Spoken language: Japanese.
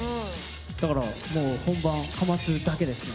だから、本番かますだけですね。